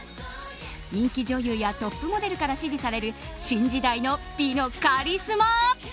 人気女優やトップモデルから支持される新時代の美のカリスマ。